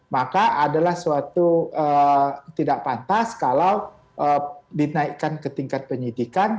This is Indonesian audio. maka adalah suatu tidak pantas kalau dinaikkan ke tingkat penyidikan